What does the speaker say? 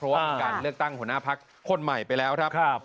เพราะว่ามีการเลือกตั้งหัวหน้าพักคนใหม่ไปแล้วครับ